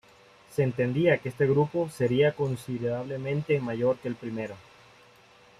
Se entendía que este grupo sería considerablemente mayor que el primero.